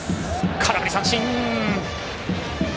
空振り三振！